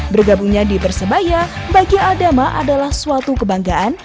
bergabungnya di persebaya bagi adama adalah suatu kebanggaan